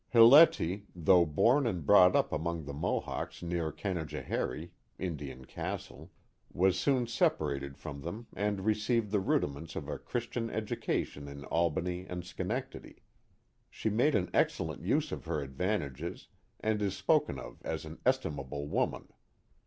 Hilletie, though born and brought up among the Mohawks near Canajoharie, (Indian Castle) was soon separated from them and received the rudiments of a Christian education in Albany and Schenectady. She made an excellent use of her advantages, and is spoken of as an estimable woman.